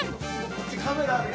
こっちカメラある。